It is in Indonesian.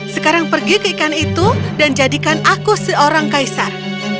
sekarang pergi ke ikan itu dan jadikan aku seorang kaisar